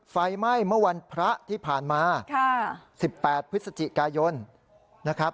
ไฟไหม้เมื่อวันพระที่ผ่านมา๑๘พฤศจิกายนนะครับ